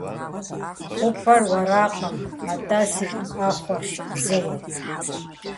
ХъупӀэр уэракъым, атӀэ си Ӏэхъуэрщ зейр.